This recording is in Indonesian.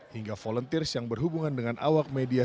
hingga volunteers yang berhubungan dengan awak media